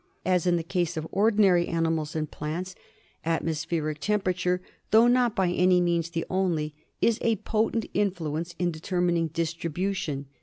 As in the case of ordinary animals and plants, atmospheric tempera ture, though not by any means the only, is a potent influence in determining distribution.